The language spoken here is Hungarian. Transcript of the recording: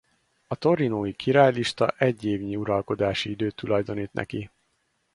A torinói királylista egy évnyi uralkodási időt tulajdonít neki.